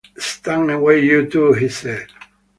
"Stand away, you two," he said.